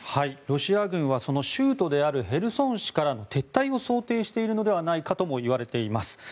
ロシア軍は州都であるヘルソン市からの撤退を想定しているのではないかともいわれています。